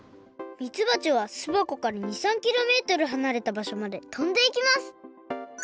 みつばちはすばこから２３キロメートルはなれたばしょまでとんでいきます。